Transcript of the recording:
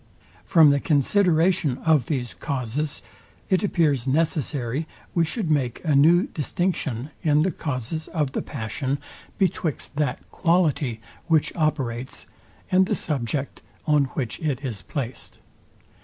From the consideration of these causes, it appears necessary we shoud make a new distinction in the causes of the passion, betwixt that QUALITY, which operates, and the subject, on which it is placed.